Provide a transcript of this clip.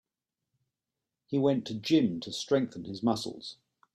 He went to gym to strengthen his muscles.